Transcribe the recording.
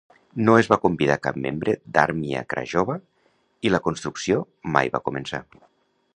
No es va convidar cap membre d'Armia Krajowa i la construcció mai va començar.